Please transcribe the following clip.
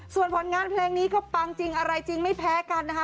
ส่วนผลงานเพลงนี้ก็ปังจริงอะไรจริงไม่แพ้กันนะคะ